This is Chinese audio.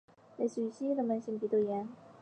类似于西医的慢性化脓性鼻窦炎。